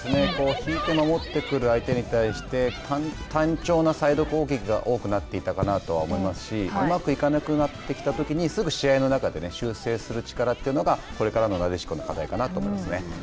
引いて守ってくる相手に対して単調なサイド攻撃が多くなっていたかなと思いますしうまくいかなくなってきたときにすぐ試合の中で修整する力というのがこれからのなでしこの課題かなと思います。